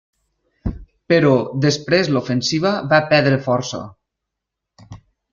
Però després l'ofensiva va perdre força.